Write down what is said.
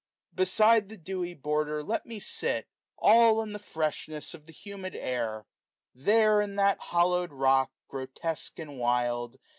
B£siD£ the dewy border let me sit, All in the freshness of the humid air ; There in that hoUow'd rock, grotesque and wild.